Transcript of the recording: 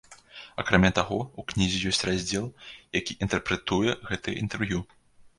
Акрамя таго, у кнізе ёсць раздзел, які інтэрпрэтуе гэтыя інтэрв'ю.